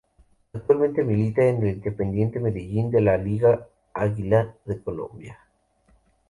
Actualmente milita en el Independiente Medellín de la Liga Águila de Colombia.